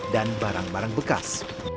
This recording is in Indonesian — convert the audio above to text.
dan barang barang bekas